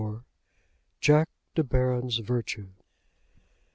JACK DE BARON'S VIRTUE.